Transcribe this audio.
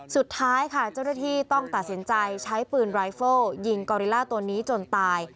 สุดท้ายค่ะเจ้าหน้าที่ต้องตัดสินใจใช้ปืนรายเฟิลยิงกอริล่าตัวนี้จนตาย